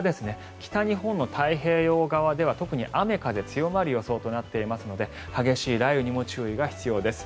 北日本の太平洋側では特に雨風強まる予想となっていますので激しい雷雨にも注意が必要です。